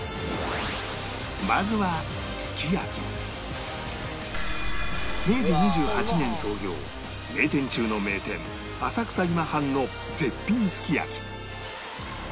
まずは明治２８年創業名店中の名店浅草今半の絶品すき焼き